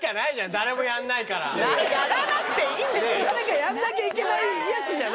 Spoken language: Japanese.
誰かやんなきゃいけないやつじゃないからこれ。